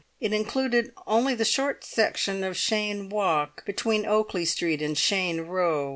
It included only the short section of Cheyne Walk between Oakley Street and Cheyne Row.